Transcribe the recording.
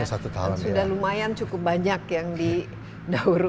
sudah lumayan cukup banyak yang didaur ulang